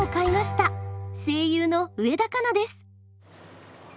声優の植田佳奈です。